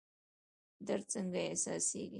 درد څنګه احساسیږي؟